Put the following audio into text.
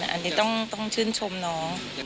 อันนี้ต้องชื่นชมน้อง